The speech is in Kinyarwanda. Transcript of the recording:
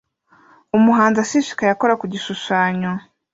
Umuhanzi ashishikaye akora ku gishushanyo